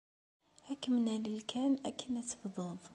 Ad kem-nalel kan akken ad tebdud.